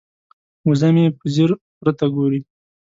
وزه مې په ځیر غره ته ګوري.